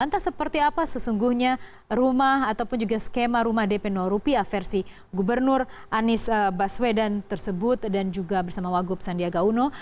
entah seperti apa sesungguhnya rumah ataupun juga skema rumah dp rupiah versi gubernur anies baswedan tersebut dan juga bersama wagub sandiaga uno